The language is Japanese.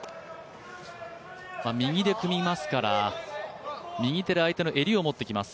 右で組みますから、右手で相手の襟を持ってきます。